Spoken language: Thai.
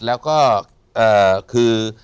แล้วก็เอ่อคือ